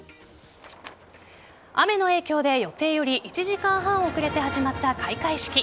雨の影響で予定より１時間半遅れて始まった開会式。